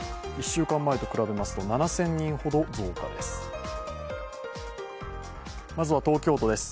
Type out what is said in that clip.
１週間前と比べますと７０００人ほど増加です。